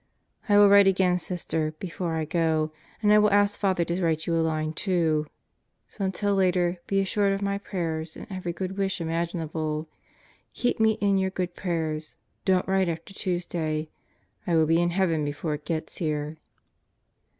I will write again, Sister, before I go, and I will ask Father to write you. a line, too. So until later be assured of my prayers and every good wish imaginable. Keep me in your good prayers. Don't write after Tuesday. I will be in heaven before it gets here.